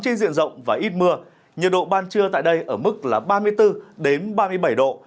trên diện rộng và ít mưa nhiệt độ ban trưa tại đây ở mức là ba mươi bốn ba mươi bảy độ